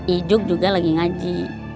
ijuk juga lagi ngaji